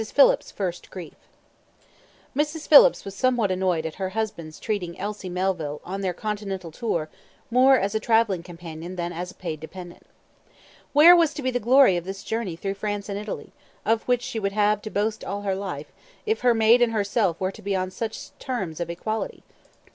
Phillips's First Grief Mrs. Phillips was somewhat annoyed at her husband's treating Elsie Melville on their continental tour more as a travelling companion than as a paid dependant. Where was to be the glory of this journey through France and Italy, of which she would have to boast all her life, if her maid and herself were to be on such terms of equality?